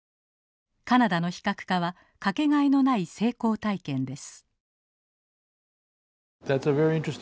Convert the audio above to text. カナダの非核化は掛けがえのない成功体験です。